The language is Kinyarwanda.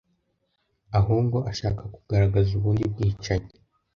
ahubwo ashaka kugaragaza ubundi bwicanyi